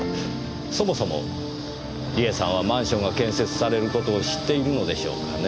そもそも梨絵さんはマンションが建設されることを知っているのでしょうかねぇ。